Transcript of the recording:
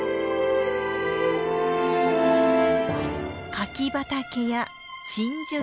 柿畑や鎮守の森。